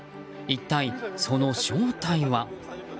一体その正体は。